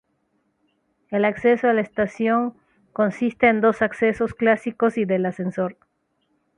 El acceso a la estación consiste en dos accesos clásicos y del ascensor.